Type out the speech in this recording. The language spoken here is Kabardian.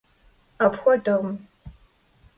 Apxuedekhım.